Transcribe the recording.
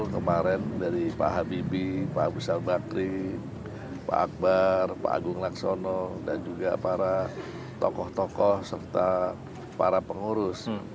jadi saya berharap dengan kehadiran dari pak habibie pak busabakri pak akbar pak agung lasono dan juga para tokoh tokoh serta para pengurus